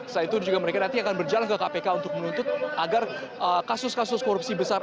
selain itu juga mereka nanti akan berjalan ke kpk untuk menuntut agar kasus kasus korupsi besar